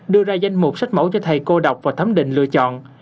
đưa ra danh mục sách mẫu cho thầy cô đọc và thấm định lựa chọn